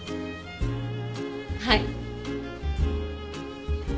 はい。